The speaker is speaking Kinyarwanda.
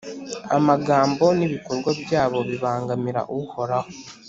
Amagambo n’ibikorwa byabo bibangamira Uhoraho,